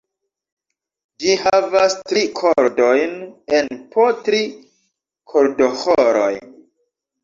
Ĝi havas tri kordojn en po tri kordoĥoroj.